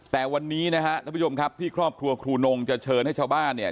แต่วันนี้นะฮะท่านผู้ชมครับที่ครอบครัวครูนงจะเชิญให้ชาวบ้านเนี่ย